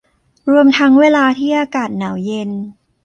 รวมทั้งเวลาที่อากาศหนาวเย็น